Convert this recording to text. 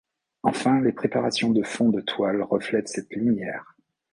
Enfin, les préparations de fond de toile reflètent cette lumière.